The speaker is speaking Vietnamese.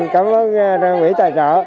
cảm ơn quỹ tài sở